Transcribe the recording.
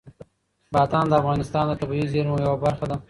بادام د افغانستان د طبیعي زیرمو یوه برخه ده.